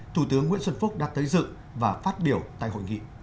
thủ tướng nguyễn xuân phúc đã tới dự và phát biểu tại hội nghị